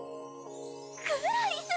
クラリス！？